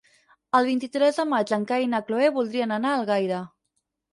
El vint-i-tres de maig en Cai i na Cloè voldrien anar a Algaida.